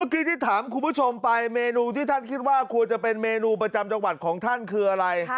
เมื่อกี้ที่ถามคุณผู้ชมไปเมนูที่ท่านคิดว่าควรจะเป็นเมนูประจำจังหวัดของท่านคืออะไร